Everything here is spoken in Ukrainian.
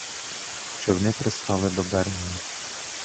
Човни пристали до берега.